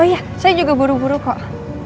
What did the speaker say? oh iya saya juga buru buru kok